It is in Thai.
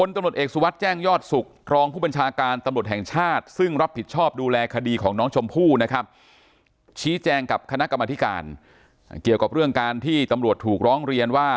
กลุ่มผู้นะครับชี้แจงกับคณะกรรมธิการเกี่ยวกับเรื่องการที่ตำรวจถูกร้องเรียนว่า